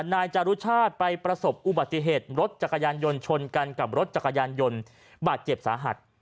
นายจารุชาติไปประสบอุบัติเหตุรถจักรยานยนต์ชนกันกับรถจักรยานยนต์บาดเจ็บสาหัส